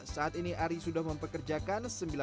saat ini ari sudah mempekerjakan sembilan belas kelas